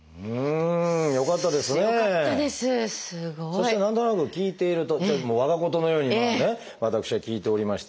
そして何となく聞いていると我が事のように私は聞いておりまして。